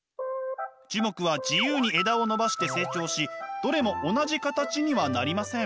樹木は自由に枝を伸ばして成長しどれも同じ形にはなりません。